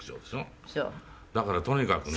だからとにかくね。